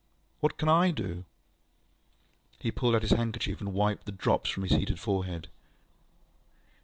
What can I do? ŌĆØ He pulled out his handkerchief, and wiped the drops from his heated forehead.